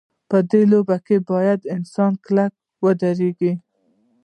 په دې لوبه کې باید انسان کلک ودرېږي.